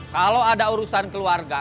kalau ada urusan keluarga